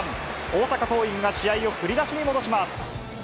大阪桐蔭が試合を振り出しに戻します。